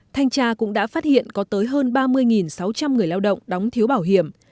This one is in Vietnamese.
thanh tra cũng đã phát hiện có tới hơn ba mươi sáu trăm linh người lao động đóng thiếu bảo hiểm